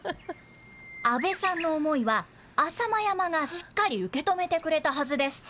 阿部さんの思いは、浅間山がしっかり受け止めてくれたはずです。